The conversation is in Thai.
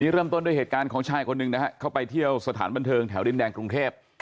เริ่มต้นด้วยเหตุการณ์ของชายคนหนึ่งนะฮะเข้าไปเที่ยวสถานบันเทิงแถวดินแดงกรุงเทพ